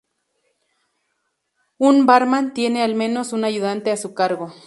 Un barman tiene al menos un ayudante a su cargo.